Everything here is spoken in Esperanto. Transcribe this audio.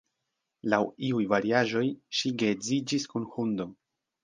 Laŭ iuj variaĵoj, ŝi geedziĝis kun hundo.